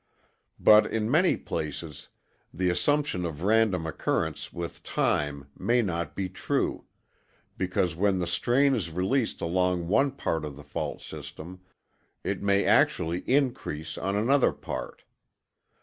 But in many places, the assumption of random occurrence with time may not be true, because when the strain is released along one part of the fault system, it may actually increase on another part.